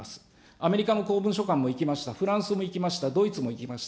アメリカの公文書館も行きました、フランスも行きました、ドイツも行きました、